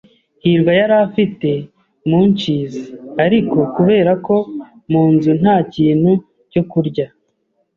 hirwa yari afite munchies, ariko kubera ko mu nzu nta kintu cyo kurya,